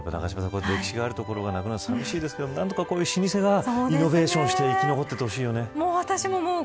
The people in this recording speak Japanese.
歴史がある所がなくなるのは寂しいですけどこういう老舗がイノベーションをして生き残っていてほしいよね。